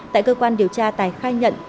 tại cơ quan điều tra tài khai nhận